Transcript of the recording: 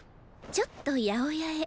ちょっと八百屋へ。